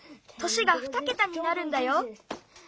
年が２けたになるんだよ。